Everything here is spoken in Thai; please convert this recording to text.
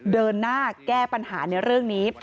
เดินหน้าแก้ปัญหาในเรื่องนี้